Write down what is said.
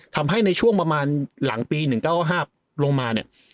ทำให้ในช่วงประมาณหลังปี๑๙๙๕ลงมาเนี่ย